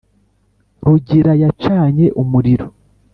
rugira yacanye umuriro